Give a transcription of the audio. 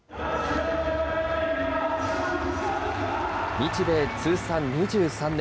日米通算２３年。